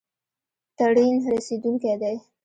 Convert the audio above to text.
ټرین رسیدونکی دی